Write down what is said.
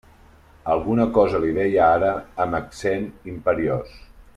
Alguna cosa li deia ara amb accent imperiós.